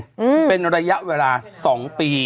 อืมเป็นระยะเวลาสองปี